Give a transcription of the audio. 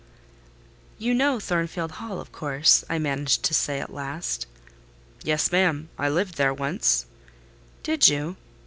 "You know Thornfield Hall, of course?" I managed to say at last. "Yes, ma'am; I lived there once." "Did you?"